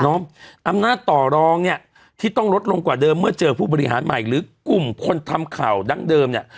อำนาจต่อรองเนี่ยที่ต้องลดลงกว่าเดิมเมื่อเจอผู้บริหารใหม่หรือกลุ่มคนทำข่าวดั้งเดิมเนี่ย